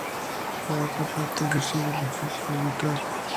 Por otra parte, ha ejercido el oficio de editor.